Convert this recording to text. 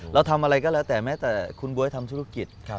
เราทำอะไรก็แล้วแต่แม้แต่คุณบ๊วยทำธุรกิจ